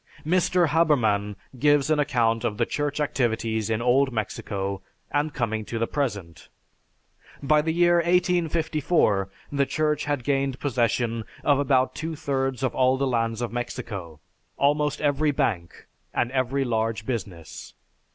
Mr. Haberman gives an account of the church activities in old Mexico and coming to the present, "By the year 1854, the Church had gained possession of about two thirds of all the lands of Mexico, almost every bank, and every large business.